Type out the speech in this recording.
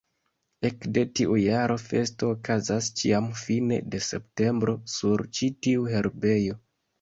Ekde tiu jaro festo okazas ĉiam fine de septembro sur ĉi-tiu herbejo.